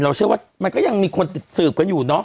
เชื่อว่ามันก็ยังมีคนติดสืบกันอยู่เนาะ